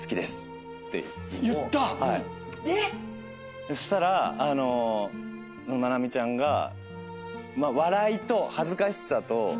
言った⁉そしたらまなみちゃんが笑いと恥ずかしさと。